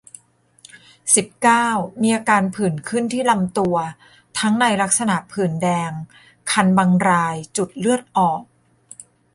สิบเก้า มีอาการผื่นขึ้นที่ลำตัว ทั้งในลักษณะผื่นแดง คันบางราย จุดเลือดออก